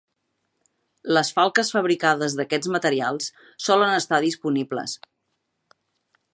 Les falques fabricades d'aquests materials solen estar disponibles.